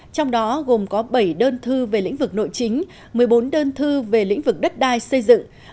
trong đó gồm có bảy đơn thư về lĩnh vực nội chính một mươi bốn đơn thư về lĩnh vực đất đai xây dựng